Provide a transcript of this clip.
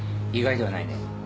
意外ではないね。